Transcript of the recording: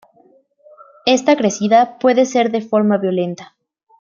Esta crecida puede ser de forma violenta.